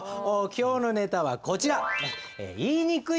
今日のネタはこちら。